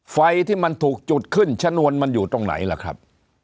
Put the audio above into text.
ไฟที่มันถูกจุดขึ้นชนวนมันอยู่ตรงไหนล่ะครับ